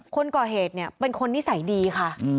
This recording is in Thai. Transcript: คนก่อเหตุเนี่ยเป็นคนนิสัยดีค่ะ